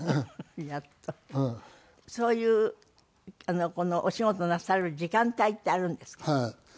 そういうお仕事をなさる時間帯ってあるんですか？